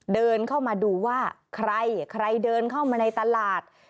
เดินเข้ามาดูว่าใครใครเดินเข้ามาในตลาด